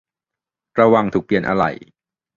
ระวังถูกเปลี่ยนอะไหล่